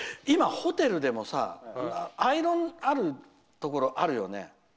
今、ホテルでもアイロンあるところあるよね。